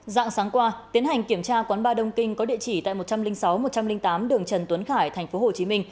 dạng sáng qua tiến hành kiểm tra quán ba đông kinh có địa chỉ tại một trăm linh sáu một trăm linh tám đường trần tuấn khải tp hcm